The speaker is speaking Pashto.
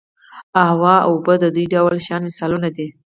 هوا او اوبه د دې ډول شیانو مثالونه دي.